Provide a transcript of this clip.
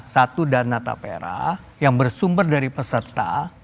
satu dana tapera yang bersumber dari peserta